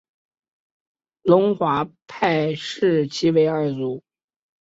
龙华派视其为二祖。